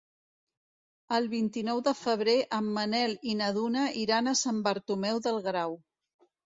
El vint-i-nou de febrer en Manel i na Duna iran a Sant Bartomeu del Grau.